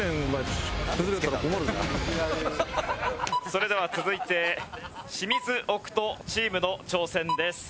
それでは続いてシミズオクトチームの挑戦です。